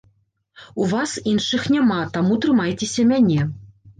У вас іншых няма, таму трымайцеся мяне.